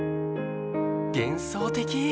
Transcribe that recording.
幻想的！